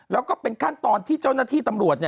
แล้วก็เป็นขั้นตอนที่เจ้าหน้าที่ตำรวจ